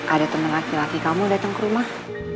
ada teman laki laki kamu datang ke rumah